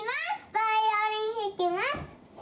バイオリンひきます！